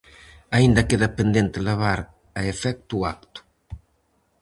Aínda queda pendente levar a efecto o acto.